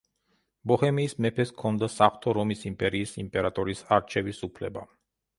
ბოჰემიის მეფეს ჰქონდა საღვთო რომის იმპერიის იმპერატორის არჩევის უფლება.